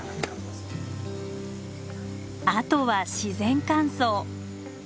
あとは自然乾燥。